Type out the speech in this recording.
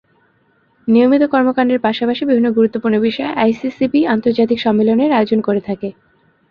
নিয়মিত কর্মকাণ্ডের পাশাপাশি বিভিন্ন গুরুত্বপূর্ণ বিষয়ে আইসিসিবি আন্তর্জাতিক সম্মেলনের আয়োজন করে থাকে।